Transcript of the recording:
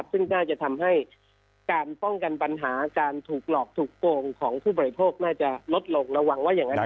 ซึ่งน่าจะทำให้การป้องกันปัญหาการถูกหลอกถูกโกงของผู้บริโภคน่าจะลดลงระวังว่าอย่างนั้น